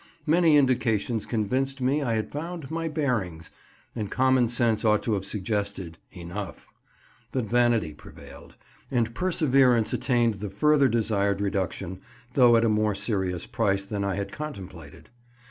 Many indications convinced me I had found "my bearings," and common sense ought to have suggested, enough; but vanity prevailed, and perseverance attained the further desired reduction, though at a more serious price than I had contemplated.